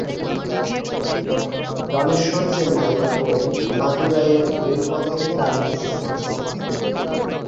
রামেশ্বর চেন্নাই ও মাদুরাইয়ের রেলপথের টার্মিনাস।